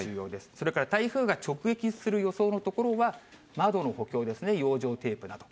それから台風が直撃する予想の所は、窓の補強ですね、養生テープだとか。